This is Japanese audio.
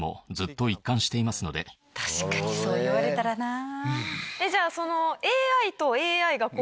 確かにそう言われたらなぁ。